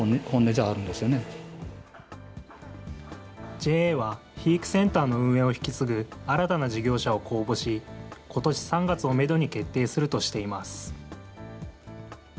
ＪＡは、肥育センターの運営を引き継ぐ新たな事業者を公募し、ことし３月をメドに決定するとしています。